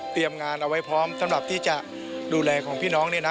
งานเอาไว้พร้อมสำหรับที่จะดูแลของพี่น้องเนี่ยนะ